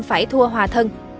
phải thua hòa thân